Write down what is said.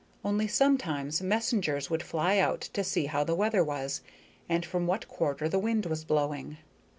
Only, sometimes messengers would fly out to see how the weather was and from what quarter the wind was blowing.